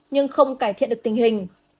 nhưng không cải thiện được tình hình